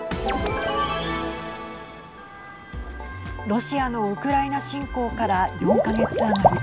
ロシアのウクライナ侵攻から４か月余り。